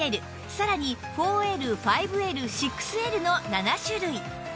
さらに ４Ｌ５Ｌ６Ｌ の７種類